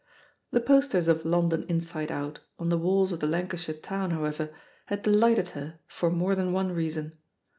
The posters of London Inside Out on the walls of the Lancashire town, however, had de lighted her for more than one reason.